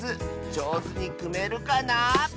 じょうずにくめるかな？